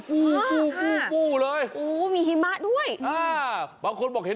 อู้ฟูฟู้ฟู้เลยโอ้มีหิมะด้วยอ่าบางคนบอกเห็น